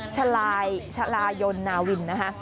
ฉลายชะลายนนาวินนะคะ